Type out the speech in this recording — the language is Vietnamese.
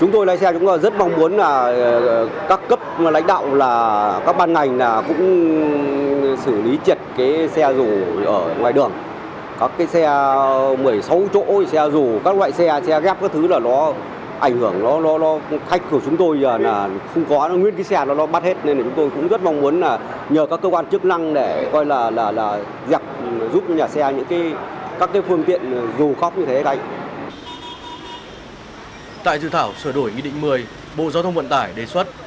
tại dự thảo sửa đổi nghị định một mươi bộ giao thông vận tải đề xuất